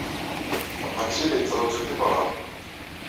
Aṭaksi la yettṛaju deg beṛṛa.